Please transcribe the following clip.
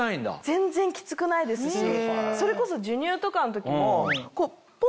全然きつくないですしそれこそ授乳とかの時もポンと。